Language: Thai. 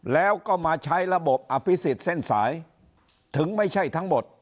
แล้วก็มาใช้ระบบอภิษฎเส้นสายถึงไม่ใช่ทั้งหมด